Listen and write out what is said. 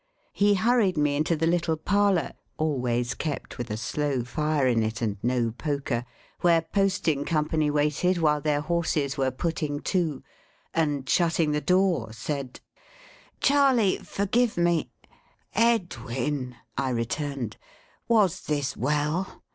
He hurried me into the little parlour (always kept with a slow fire in it and no poker), where posting company waited while their horses were putting to, and, shutting the door, said: "Charley, forgive me!" "Edwin!" I returned. "Was this well?